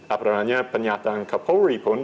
apa namanya pernyataan kapolri pun